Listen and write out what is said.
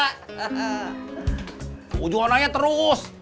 seujuan aja terus